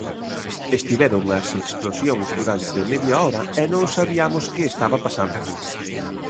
Estiveron as explosións durante media hora e non sabiamos que estaba pasando.